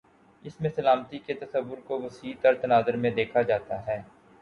اس میں سلامتی کے تصور کو وسیع تر تناظر میں دیکھا جاتا ہے۔